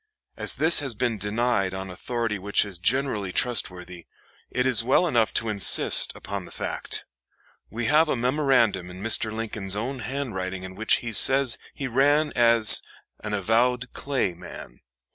As this has been denied on authority which is generally trustworthy, it is well enough to insist upon the fact. We have a memorandum in Mr. Lincoln's own handwriting in which he says he ran as "an avowed Clay man."